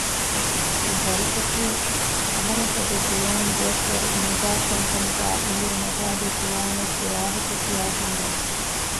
އެ ދަރުސަކީ އަހަރެންފަދަ ޒުވާންދުވަސް ވަރު ނުބައި ކަންކަމުގައި އުމުރު ނަގައިލި ޒުވާނެއްގެ ވާހަކަ ކިޔައިދިން ދަރުސެއް